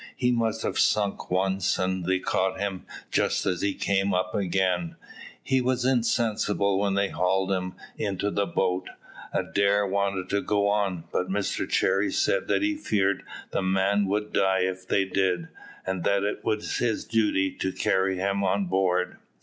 He must have sunk once, and they caught him just as he came up again; he was insensible when they hauled him into the boat. Adair wanted to go on, but Mr Cherry said that he feared the man would die if they did, and that it was his duty to carry him on board.